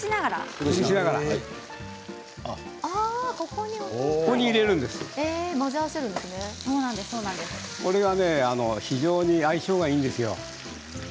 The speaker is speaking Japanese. ここにお豆腐非常に相性がいいんですよ。